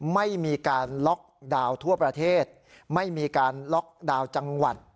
ไม่มีการล็อกดาวน์ทั่วประเทศไม่มีการล็อกดาวน์จังหวัด